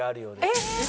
えっ！？